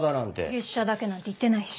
月謝だけなんて言ってないし。